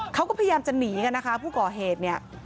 เขาก็พยายามจะหนีกันนะคะผู้ก่อเหตุเนี่ย